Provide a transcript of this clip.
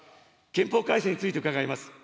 憲法改正について伺います。